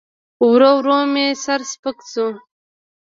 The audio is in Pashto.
ورو ورو مې سر سپک سو.